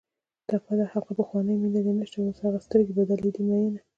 ټپه ده: ها پخوانۍ مینه دې نشته اوس دې هغه سترګې بدلې دي مینه